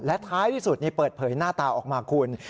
และท้ายที่สุดเปิดเผยหน้าตาออกมาคุณ